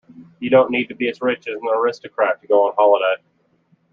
You don't need to be as rich as an aristocrat to go on holiday.